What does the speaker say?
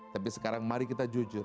tapi sekarang mari kita jujur